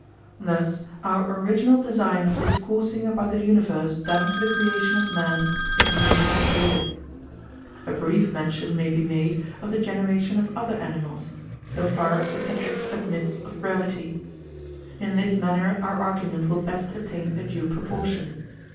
Thus our original design of discoursing about the universe down to the creation of man is nearly completed. A brief mention may be made of the generation of other animals, so far as the subject admits of brevity; in this manner our argument will best attain a due proportion.